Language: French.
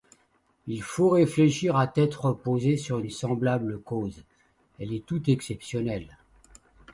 Il faut réfléchir à tête reposée sur une semblable cause, elle est tout exceptionnelle.